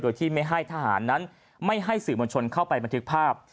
โดยที่ไม่ให้ทหารนั้นไม่ให้สื่อมวลชนเข้าไปบันทึกภาพ